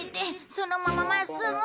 そのまま真っすぐ。